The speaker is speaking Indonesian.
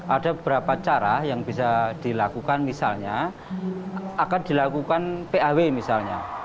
ada beberapa cara yang bisa dilakukan misalnya akan dilakukan paw misalnya